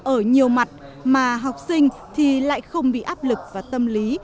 ở nhiều mặt mà học sinh thì lại không bị áp lực và tâm lý